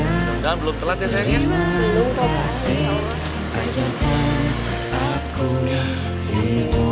enggak belum telat ya sayangnya